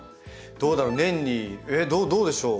どうだろう？年にどうでしょう？